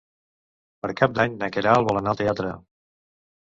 Per Cap d'Any na Queralt vol anar al teatre.